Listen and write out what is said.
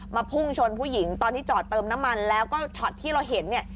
พุ่งชนผู้หญิงตอนที่จอดเติมน้ำมันแล้วก็ช็อตที่เราเห็นเนี่ย